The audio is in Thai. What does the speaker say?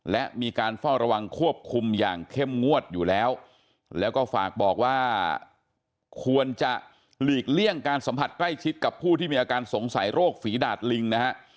และมีการเฝ้าระวังควบคุมอย่างเข้มงวดอยู่แล้วแล้วก็ฝากบอกว่าควรจะหลีกเลี่ยงการสัมผัสใกล้ชิดกับผู้ที่มีอาการสงสัยโรคฝีดาดลิงนะฮะ